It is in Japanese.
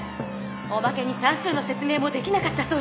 おまけにさんすうのせつ明もできなかったそうじゃない。